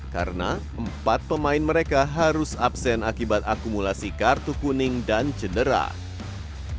karena empat pemain mereka harus absen akibat akumulasi kartu kuning dan cenderang